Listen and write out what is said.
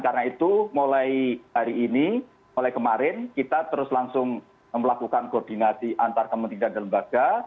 karena itu mulai hari ini mulai kemarin kita terus langsung melakukan koordinasi antar kementerian dan lembaga